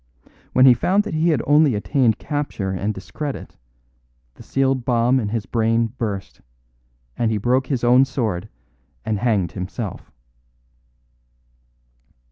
When he found that he had only attained capture and discredit, the sealed bomb in his brain burst, and he broke his own sword and hanged himself."